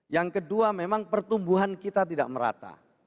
yang kedua memang pertumbuhan kita tidak merata